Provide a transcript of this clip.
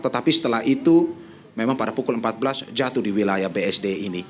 tetapi setelah itu memang pada pukul empat belas jatuh di wilayah bsd ini